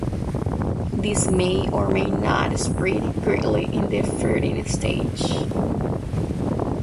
These may or may not spread greatly in the fruiting stage.